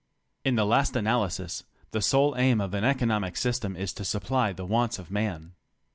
In the last analysis, tJic sole aim of an economic system is to supply the wafnts of man.